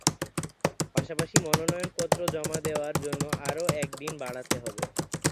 পাশাপাশি মনোনয়নপত্র জমা দেওয়ার জন্য আরও এক দিন বাড়াতে হবে।